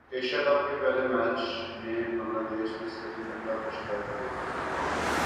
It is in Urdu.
ایشیا کپ پہلے میچ میں بنگلہ دیش نے سری لنکا کو شکست دیدی